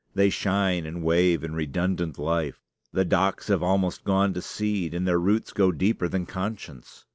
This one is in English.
They shine and wave in redundant life. The docks have almost gone to seed; and their roots go deeper than conscience.